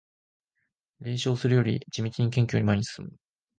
冷笑するより地道に謙虚に前に進む